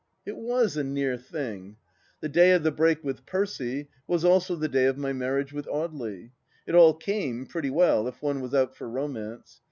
.. It was a near thing. The day of the break with Percy was also the day of my marriage with Audely. It all " came " pretty well, if one was out for romance.